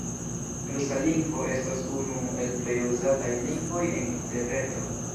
Rusa lingvo estas unu el plej uzataj lingvoj en interreto.